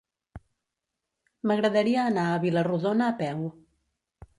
M'agradaria anar a Vila-rodona a peu.